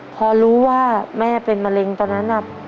พอรู้ว่าแม่เป็นมะเร็งตอนนั้น